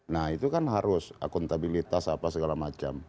nah itu kan harus akuntabilitas apa segala macam